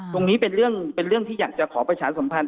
ตรงนี้เป็นเรื่องที่อยากจะขอประชาสัมพันธ